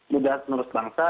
mudah penerus bangsa